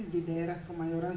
di daerah kemayoran